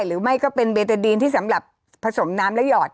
หรือไม่ก็เป็นเบเตอดีนที่สำหรับผสมน้ำและหยอด